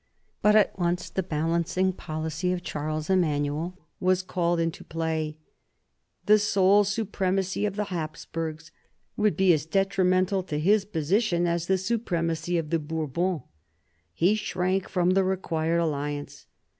But at once the balancing policy of Charles Emanuel was called into play. The sole supremacy of the Hapsburgs would be as detrimental to his position as the supremacy of the Bourbons. He shrank from the required alliance.